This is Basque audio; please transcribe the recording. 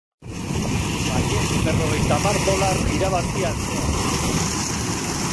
Baietz berrogeita hamar dolar irabazi astean.